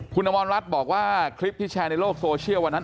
คุณอมรรัฐบอกว่าคลิปที่แชร์ในโลกโซเชียลวันนั้น